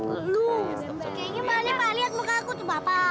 kayaknya pak ali pak ali lihat muka aku tuh papa